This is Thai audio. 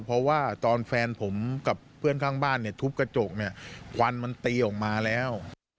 เพราะว่าตอนแฟนผมกับเพื่อนข้างบ้านเนี่ยทุบกระจกเนี่ยควันมันตีออกมาแล้ว